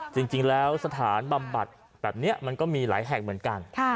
จริงแล้วสถานบำบัดแบบนี้มันก็มีหลายแห่งเหมือนกัน